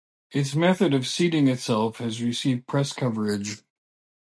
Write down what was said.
Its method of seating itself has received press coverage.